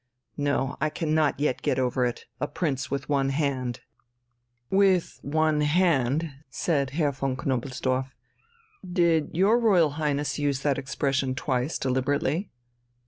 No, I cannot yet get over it. A prince with one hand ..." "'With one hand,'" said Herr von Knobelsdorff. "Did your Royal Highness use that expression twice deliberately?"